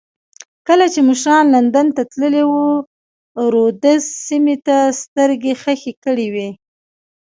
کله چې مشران لندن ته تللي وو رودز سیمې ته سترګې خښې کړې وې.